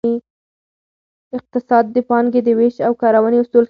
اقتصاد د پانګې د ویش او کارونې اصول ښيي.